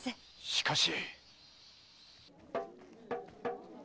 しかし。